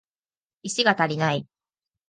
石が足りない